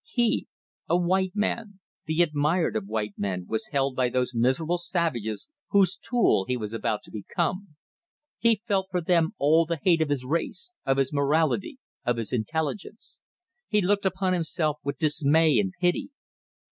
He a white man, the admired of white men, was held by those miserable savages whose tool he was about to become. He felt for them all the hate of his race, of his morality, of his intelligence. He looked upon himself with dismay and pity.